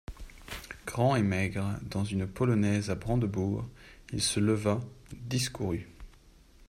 Grand et maigre, dans une polonaise à brandebourgs, il se leva, discourut.